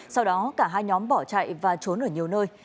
sau đó cả hai nhóm bỏ chạy và trốn ở nhiều nơi